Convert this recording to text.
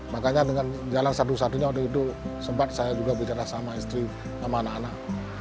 makanya dengan jalan satu satunya waktu itu sempat saya juga bicara sama istri sama anak anak